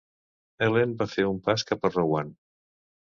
Helen va fer un pas cap a Rowan.